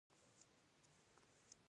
دیارلس کاله مخکې فاجعه یې هېره ده.